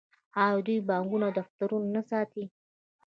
آیا دوی بانکونه او دفترونه نه ساتي؟